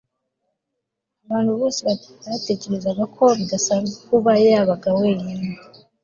Abantu bose batekerezaga ko bidasanzwe kuba yabaga wenyine